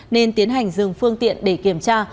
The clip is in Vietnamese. nên tiến hành dừng phương tiện để kiểm tra